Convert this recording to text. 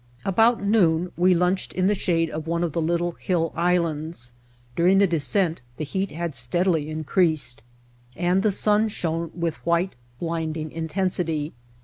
About noon we lunched in the shade of one of the little hill islands. During the descent the heat had steadily increased and the sun shone with white, blinding intensity.